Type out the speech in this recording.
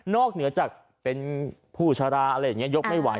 เหนือจากเป็นผู้ชราอะไรอย่างนี้ยกไม่ไหว